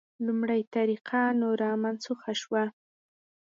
لومړۍ طریقه نوره منسوخه شوه.